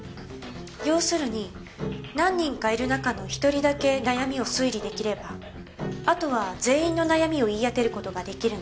要するに何人かいる中の１人だけ悩みを推理出来ればあとは全員の悩みを言い当てる事が出来るんです。